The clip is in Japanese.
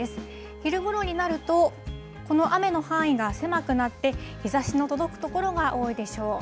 昼ごろになると、この雨の範囲が狭くなって、日ざしの届く所が多いでしょう。